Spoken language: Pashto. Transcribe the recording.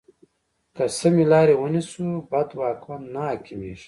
که سمې لارې ونیسو، بد واکمن نه حاکمېږي.